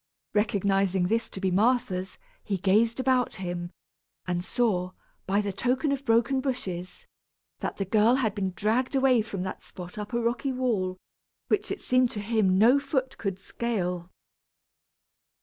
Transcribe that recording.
Recognizing this to be Martha's, he gazed about him, and saw, by the token of broken bushes, that the girl had been dragged away from that spot up a rocky wall, which it seemed to him no foot could scale.